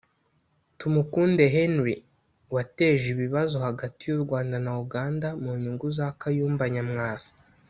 Tumukunde Hnery wateje ibibazo hagati y’u Rwanda na Uganda mu nyungu za Kayumba Nyamwasa